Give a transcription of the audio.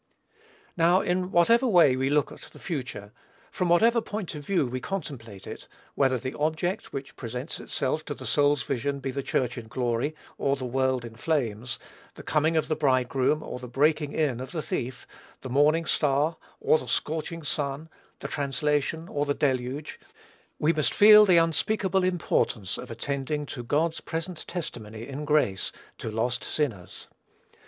Now, in whatever way we look at the future, from whatever point of view we contemplate it, whether the object, which presents itself to the soul's vision be the Church in glory, or the world in flames, the coming of the Bridegroom, or the breaking in of the thief, the morning Star, or the scorching sun, the translation, or the deluge, we must feel the unspeakable importance of attending to God's present testimony in grace, to lost sinners.